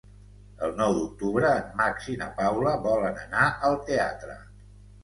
El nou d'octubre en Max i na Paula volen anar al teatre.